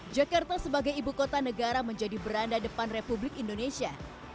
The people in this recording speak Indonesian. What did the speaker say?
jakarta sebagai ibu kota negara menjadi beranda depan republik indonesia